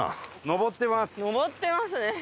上ってますね。